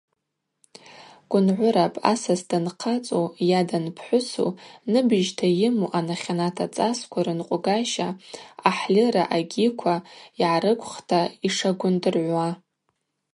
Гвынгӏвырапӏ асас данхъацӏу йа данпхӏвысу, ныбыжьта йыму, анахьанат ацӏасква рынкъвгаща аъахӏльыра агьиква йгӏарыквхта йшагвындыргӏвуа.